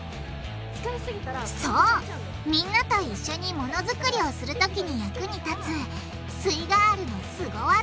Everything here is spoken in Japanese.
そうみんなと一緒にものづくりをするときに役に立つすイガールのスゴ技！